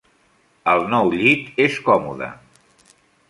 El nou llit és còmode.